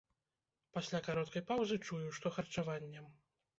Пасля кароткай паўзы чую, што харчаваннем.